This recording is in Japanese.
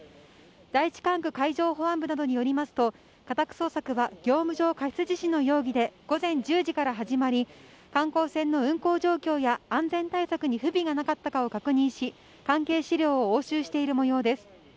第１管区海上保安部などによりますと、家宅捜索は、業務上過失致死の容疑で午前１０時から始まり、観光船の運航状況や、安全対策に不備がなかったかを確認し、関係資料を押収しているもようです。